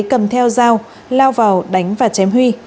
cầm theo dao lao vào đánh và chém huy